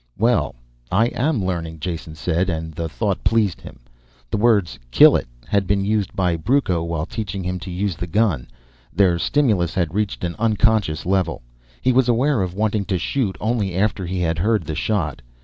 "Well ... I am learning," Jason said, and the thought pleased him. The words kill it had been used by Brucco while teaching him to use the gun. Their stimulus had reached an unconscious level. He was aware of wanting to shoot only after he had heard the shot.